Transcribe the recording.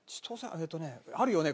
えっとねあるよね？